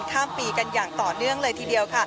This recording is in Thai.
พาคุณผู้ชมไปติดตามบรรยากาศกันที่วัดอรุณราชวรรมหาวิหารค่ะ